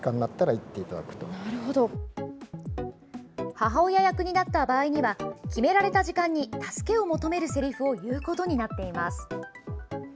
母親役になった場合には決められた時間に助けを求めるせりふを言うことになっています。